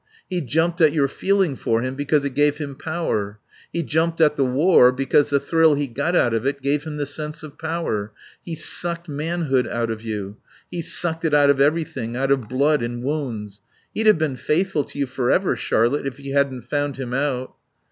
He jumped at your feeling for him because it gave him power. He jumped at the war because the thrill he got out of it gave him the sense of power. He sucked manhood out of you. He sucked it out of everything out of blood and wounds.... He'd have been faithful to you forever, Charlotte, if you hadn't found him out.